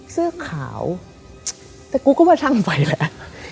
เสื้อขาวแต่กูก็มาช่างไฟแล้ว